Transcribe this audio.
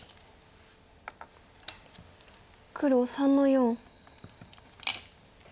黒３の四。